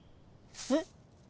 えっ。